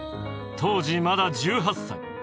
当時まだ１８歳。